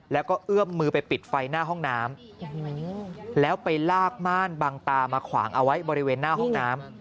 แล้วก็เอื้อมมือไปปิดไฟหน้าห้องน้ำแล้วไปลากม่านบางตามาขวางเอาไว้บริเวณหน้าห้องน้ำ